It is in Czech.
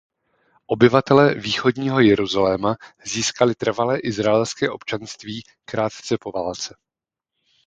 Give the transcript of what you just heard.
Obyvatele východního Jeruzaléma získali trvalé izraelské občanství krátce po válce.